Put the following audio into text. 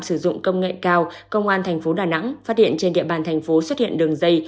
sử dụng công nghệ cao công an thành phố đà nẵng phát hiện trên địa bàn thành phố xuất hiện đường dây